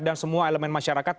dan semua elemen masyarakat